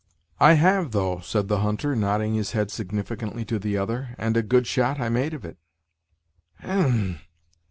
"I have, though," said the hunter, nodding his head significantly to the other, "and a good shot I made of it." "H e m!"